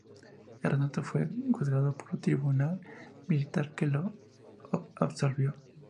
Ernesto fue juzgado por un tribunal militar que lo absolvió.